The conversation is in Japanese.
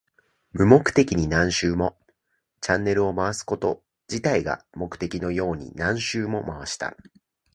無目的に何周も。チャンネルを回すこと自体が目的のように何周も回した。